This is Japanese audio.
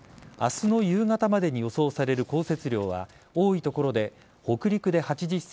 明日の夕方までに予想される降雪量は多い所で、北陸で８０ｃｍ